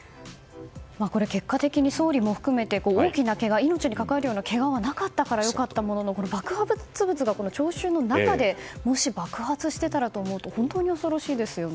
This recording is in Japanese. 結果的に総理も含めて大きなけが、命にかかわるようなけがはなかったから良かったもののこれ、爆発物が聴衆の中でもし爆発していたらと思うと本当に恐ろしいですよね。